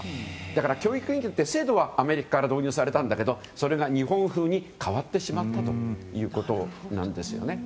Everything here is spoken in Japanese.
だから、教育委員会という制度はアメリカから導入されたけどそれが日本風に変わってしまったということです。